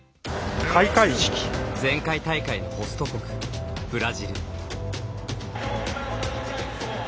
前回大会のホスト国ブラジル。